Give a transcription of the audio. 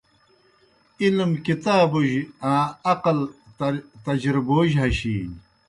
علم کتابُجیْ آں عقل تجربوجیْ ہشِینیْ